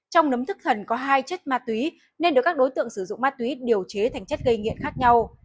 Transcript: trong nấm thức thần có hai chất ma túy nên được các đối tượng sử dụng ma túy điều chế thành chất gây nghiện khác nhau